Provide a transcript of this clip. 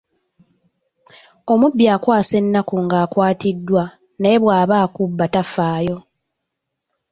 Omubbi akwasa ennaku ng'akwatiddwa naye bwaba akubba tafaayo.